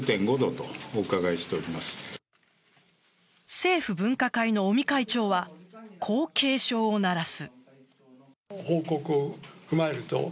政府分科会の尾身会長はこう警鐘を鳴らす。